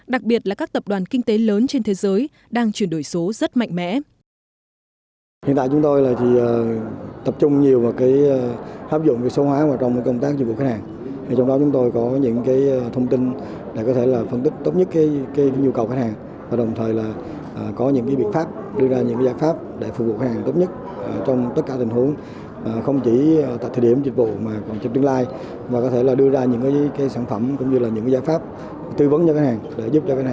đặc biệt là các tập đoàn kinh tế lớn trên thế giới đang chuyển đổi số rất mạnh mẽ